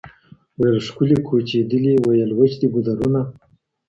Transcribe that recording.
ویل ښکلي کوچېدلي ویل وچ دي ګودرونه